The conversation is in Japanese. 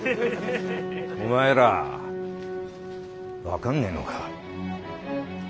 お前ら分かんねえのか？